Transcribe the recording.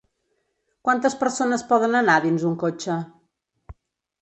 Quantes persones poden anar dins un cotxe?